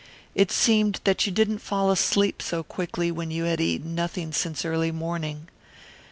It seemed that you didn't fall asleep so quickly when you had eaten nothing since early morning.